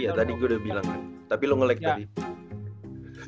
iya tadi gue udah bilang kan tapi lu nge lag tadi